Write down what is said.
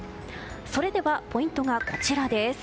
それではポイントがこちら。